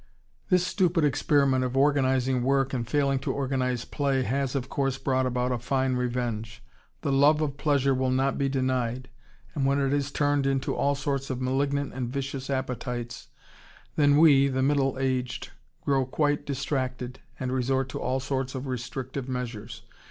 This stupid experiment of organizing work and failing to organize play has, of course, brought about a fine revenge. The love of pleasure will not be denied, and, when it has turned into all sorts of malignant and vicious appetites, then we, the middle aged, grow quite distracted, and resort to all sorts of restrictive measures.